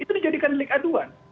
itu dijadikan delik aduan